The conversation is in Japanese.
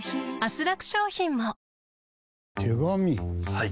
はい。